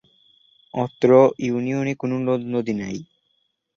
অত্র ইউনিয়নে কোন নদ-নদী নাই।